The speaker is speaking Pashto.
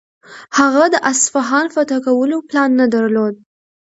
هغه د اصفهان فتح کولو پلان نه درلود.